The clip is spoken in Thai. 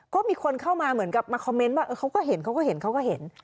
ก็มีคนเข้ามาเหมือนกับมาคอมเมนต์ว่าเขาก็เห็นเขาก็เห็นเขาก็เห็น